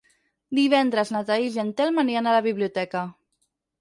Divendres na Thaís i en Telm aniran a la biblioteca.